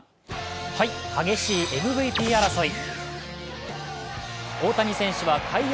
激しいＭＶＰ争い。